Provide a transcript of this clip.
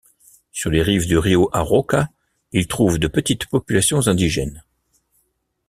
Sur les rives du río Arauca, il trouve de petites populations indigènes.